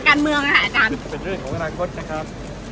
เพื่อกับทำงานยังไงต่อครับอาจารย์